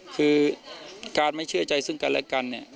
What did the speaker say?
คือการไม่เชื่อใจซึ่งกันและกันเนี่ย